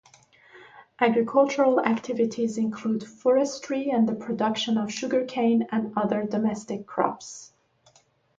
Agricultural activities include forestry, and the production of sugar cane and other domestic crops.